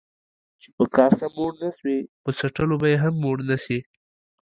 چي په کاسه موړ نسوې ، په څټلو به يې هم موړ نسې.